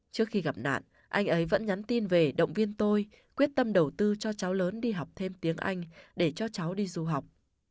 trước khi gặp nạn anh ấy vẫn nhắn tin về động viên tôi quyết tâm đầu tư cho cháu lớn đi học thêm tiếng anh để cho cháu đi du học